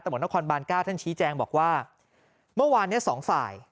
หมดนครบาน๙ท่านชี้แจงบอกว่าเมื่อวานเนี้ยสองฝ่าย